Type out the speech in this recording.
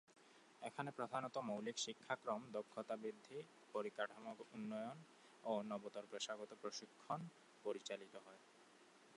এখানে প্রধানত মৌলিক শিক্ষাক্রম, দক্ষতা বৃদ্ধি, পরিকাঠামো উন্নয়ন ও নবতর পেশাগত প্রশিক্ষণ পরিচালিত হয়।